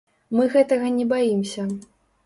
Мы гэтага не баімся.